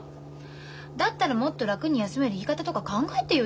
だったらもっと楽に休める言い方とか考えてよ